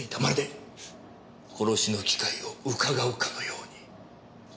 まるで殺しの機会をうかがうかのように。